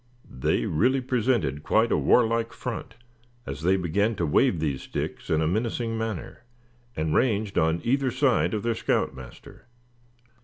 They really presented quite a warlike front as they began to wave these sticks in a menacing manner, and ranged on either side of their scout master.